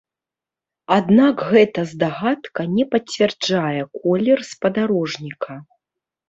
Аднак гэта здагадка не пацвярджае колер спадарожніка.